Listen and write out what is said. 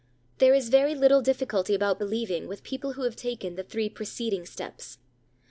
There is very little difficulty about believing with people who have taken the three preceding steps.